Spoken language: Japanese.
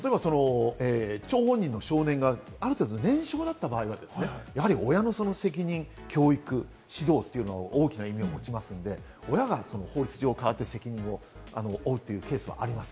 例えば張本人の少年がある程度、年少だった場合は親の責任、教育、指導というのが大きな意味を持ちますので、親が法律上、代わって責任を負うというケースがあります。